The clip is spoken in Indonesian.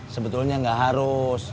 sebetulnya nggak harus